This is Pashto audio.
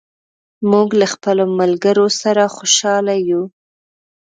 موږ له خپلو ملګرو سره خوشاله یو.